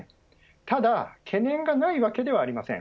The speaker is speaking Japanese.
ただ、懸念がないわけではありません。